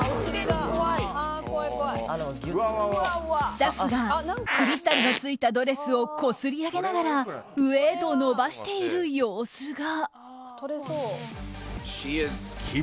スタッフがクリスタルのついたドレスをこすり上げながら上へと伸ばしている様子が。